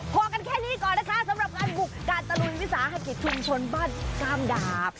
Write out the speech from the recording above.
พอกันแค่นี้ก่อนนะคะสำหรับงานบุกการตะลุยวิสาหกิจชุมชนบ้านกล้ามดาบ